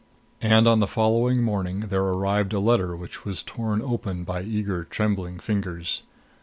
And on the following morning there arrived a letter which was torn open by eager trembling fingers.